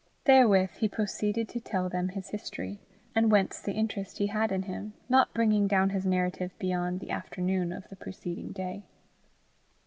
Therewith he proceeded to tell them his history, and whence the interest he had in him, not bringing down his narrative beyond the afternoon of the preceding day.